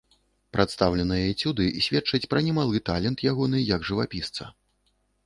Прадстаўленыя эцюды сведчаць і пра немалы талент ягоны як жывапісца.